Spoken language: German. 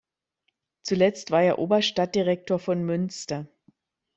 Zuletzt war er Oberstadtdirektor von Münster.